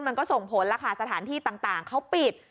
มันก็ส่งผลแล้วค่ะสถานที่ต่างเขาปิด